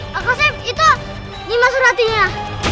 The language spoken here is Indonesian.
pak saif itu nimas suratinya